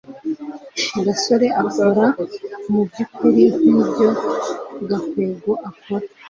gasore akora mubyukuri nkibyo gakwego akora